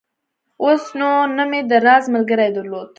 اوس نو نه مې د راز ملګرى درلود.